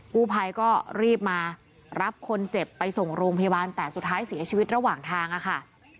กู้ภัยก็รีบมารับคนเจ็บไปส่งโรงพยาบาลแต่สุดท้ายเสียชีวิตระหว่างทางค่ะ